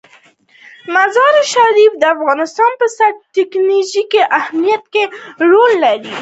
مزارشریف د افغانستان په ستراتیژیک اهمیت کې رول لري.